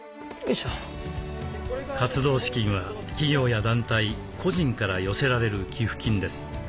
活動資金は企業や団体個人から寄せられる寄付金です。